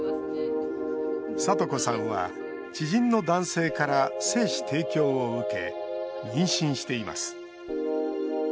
さと子さんは知人の男性から精子提供を受け妊娠しています。